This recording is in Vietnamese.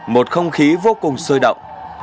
một không khí vô cùng sôi động